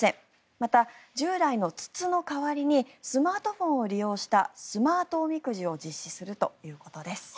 また、従来の筒の代わりにスマートフォンを利用したスマートおみくじを実施するということです。